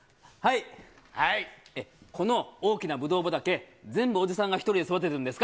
この大きなブドウ畑、全部おじさんが１人で育ててるんですか？